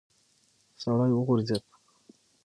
سړی وغورځېد.